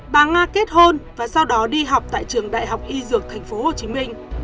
bà nga kết hôn và sau đó đi học tại trường đại học y dược tp hcm